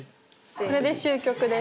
これで終局です。